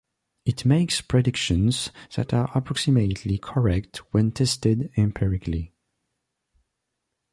It makes predictions that are approximately correct when tested empirically.